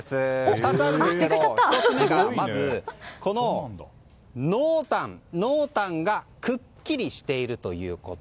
２つあるんですけど、１つ目がまず、濃淡がくっきりしているということ。